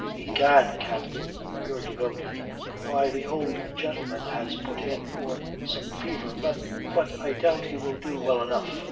"Egad, Captain, you're devoted. Why, the old gentleman has put in for some fever, but I doubt he will do well enough."